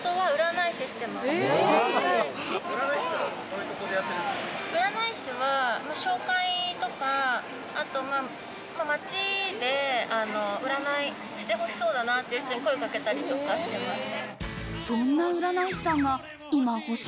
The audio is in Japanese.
占いは紹介とか、街で占いしてほしそうだなっていう人に声かけたりとかしてます。